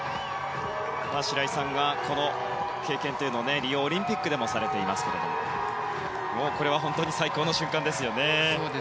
白井さんは、この経験というのをリオオリンピックでもされていますけどもこれは本当に最高の瞬間ですよね。